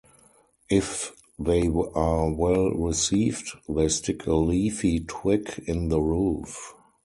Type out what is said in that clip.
If they are well received they stick a leafy twig in the roof.